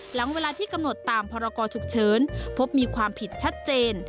หลังเวลาที่กำหนดตามพรกรฉุกเฉินพบมีความผิดชัดเจน